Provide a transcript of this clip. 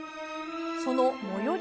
その最寄り